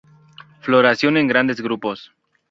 Floración en grandes grupos.